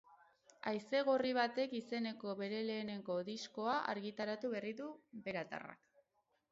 Haize gorri batek izeneko bere lehenengo diskoa argitaratu berri du beratarrak.